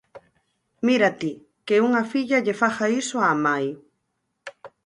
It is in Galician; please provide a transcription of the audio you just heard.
Mira ti, que unha filla lle faga iso á mai.